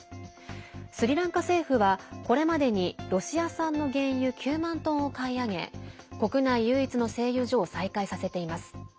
スリランカ政府はこれまでにロシア産の原油９万トンを買い上げ国内唯一の製油所を再開させています。